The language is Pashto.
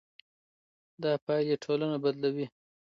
دا پايلې ټولنه بدلوي.